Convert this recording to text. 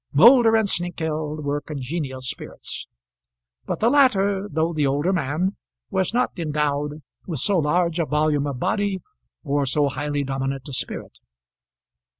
Moulder and Snengkeld were congenial spirits; but the latter, though the older man, was not endowed with so large a volume of body or so highly dominant a spirit.